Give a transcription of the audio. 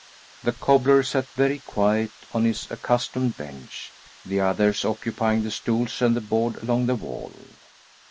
The cobbler sat very quiet on his accustomed bench, the others occupying the stools and the board along the wall.